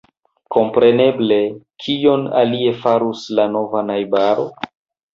Kompreneble; kion alie farus la nova najbaro?